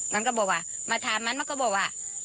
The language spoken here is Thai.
มันก็บอกว่ามาถามมันมันก็บอกว่า